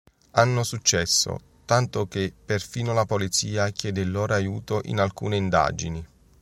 Hanno successo, tanto che perfino la polizia chiede il loro aiuto in alcune indagini.